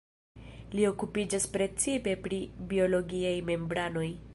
Li okupiĝas precipe pri biologiaj membranoj.